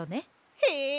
へえ！